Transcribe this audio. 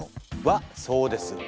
そうです。